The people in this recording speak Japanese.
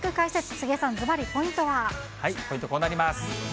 杉江さん、ポイント、こうなります。